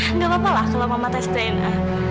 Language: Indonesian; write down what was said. nggak apa apa lah kalau mama tes dna